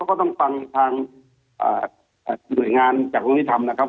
แล้วก็ต้องฟังทางที่เรื่องงานแบบประวัติธรรม